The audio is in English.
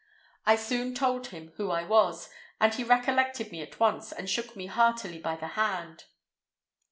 I soon told him who I was, and he recollected me at once and shook me heartily by the hand.